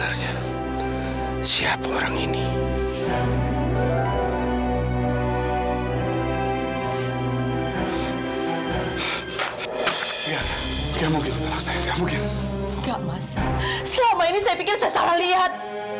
enggak mas selama ini saya pikir saya salah lihat